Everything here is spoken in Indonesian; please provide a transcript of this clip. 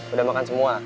udah makan semua